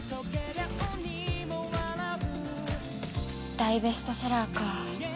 大ベストセラーか